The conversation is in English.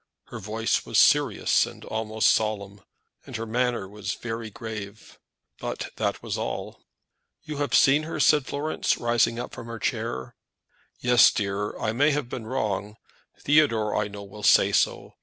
Her voice was serious and almost solemn, and her manner was very grave; but that was all. "You have seen her?" said Florence, rising up from her chair. "Yes, dear. I may have done wrong. Theodore, I know, will say so.